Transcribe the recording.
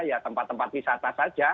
ya tempat tempat wisata saja